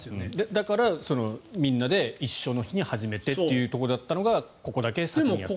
だからみんなで一緒の日に始めてというところだったのがここだけ先にやった。